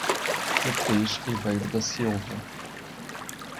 Beatriz Ribeiro da Silva